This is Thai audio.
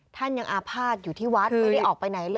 ท่านยังอาภาษณ์อยู่ที่วัดไม่ได้ออกไปไหนเลย